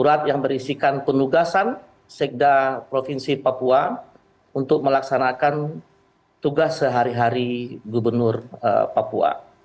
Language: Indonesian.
surat yang berisikan penugasan sekda provinsi papua untuk melaksanakan tugas sehari hari gubernur papua